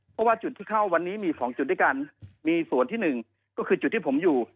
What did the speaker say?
เพราะว่าจุดที่เข้าวันนี้มี๒จุดด้วยกันมีส่วนที่หนึ่งก็คือจุดที่ผมอยู่